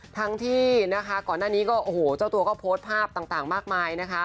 ทั้งที่นะคะก่อนหน้านี้ก็โอ้โหเจ้าตัวก็โพสต์ภาพต่างมากมายนะคะ